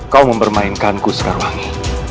kau mempermainkanku skarwangi